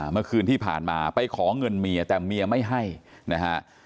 เมื่อคืนที่ผ่านมาไปขอเงินเมียแต่เมียไม่ให้นะฮะ